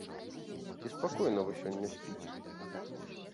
Ці спакойна вы сёння спіце?